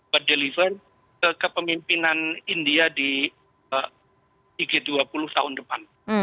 berdeliver ke kepemimpinan india di g dua puluh tahun depan